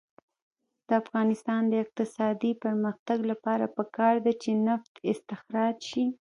د افغانستان د اقتصادي پرمختګ لپاره پکار ده چې نفت استخراج شي.